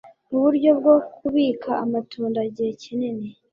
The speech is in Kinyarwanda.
Mu buryo bwo kubika amatunda igihe kinini,